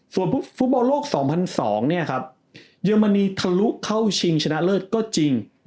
ส่วนฟุตบอลโลก๒๐๐๒เนี่ยครับเยอรมนีทะลุเข้าชิงชนะเลิศก็จริง